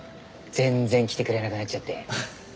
全然来てくれなくなっちゃって。